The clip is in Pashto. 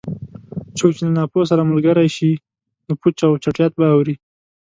څوک چې له ناپوه سره ملګری شي؛ نو پوچ او چټیات به اوري.